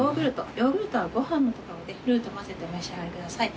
ヨーグルトはご飯のところでルーと混ぜてお召し上がりください。